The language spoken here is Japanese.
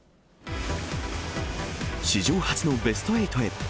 史上初のベスト８へ。